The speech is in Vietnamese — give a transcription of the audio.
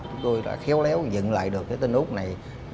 chúng tôi đã khéo léo dựng lại được cái tên úc này